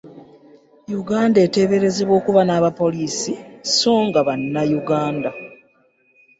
Uganda eteeberezebwa okuba n’abapoliisi so nga ba nnauganda.